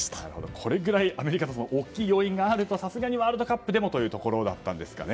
これぐらいアメリカの大きい要因があるとさすがにワールドカップでもというところだったんですかね。